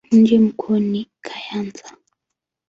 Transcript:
Mji mkuu ni Kayanza.